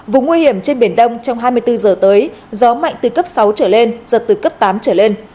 vùng nguy hiểm trên biển đông trong hai mươi bốn giờ tới gió mạnh từ cấp sáu trở lên giật từ cấp tám trở lên